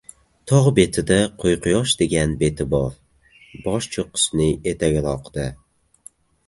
Tog‘ betida qo‘yqushoq degan beti bor. Bosh cho‘qqisidan etagiroqda.